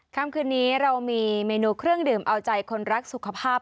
คำคืนนี้เรามีเมนูเครื่องดื่มเอาใจคนรักสุขภาพ